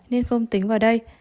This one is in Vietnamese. nên không tính vào đây